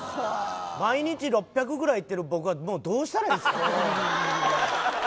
毎日６００ぐらいいってる僕はもうどうしたらいいっすか？